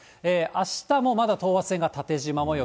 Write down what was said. あしたもまだ等圧線が縦じま模様。